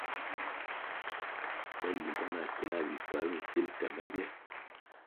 Me limbo na ki náh bikywa bi nsil ke me ye.